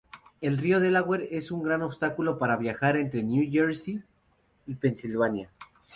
El río Delaware es un gran obstáculo para viajar entre Nueva Jersey y Pennsylvania.